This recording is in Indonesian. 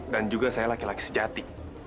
dan juga saya laki laki sejati